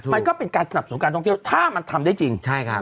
มันก็เป็นการสนับสนุนการท่องเที่ยวถ้ามันทำได้จริงใช่ครับ